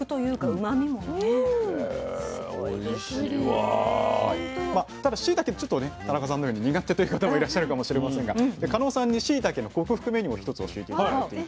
まあただしいたけちょっとね田中さんのように苦手という方もいらっしゃるかもしれませんがカノウさんにしいたけの克服メニューを１つ教えて頂いていて。